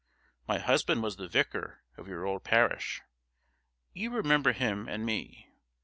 My husband was the vicar of your old parish you remember him and me.